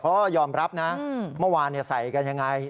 เขายอมรับนะอืมเมื่อวานเนี้ยใส่กันยังไง